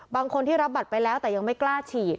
บางคนที่รับบัตรไปแล้วแต่ยังไม่กล้าฉีด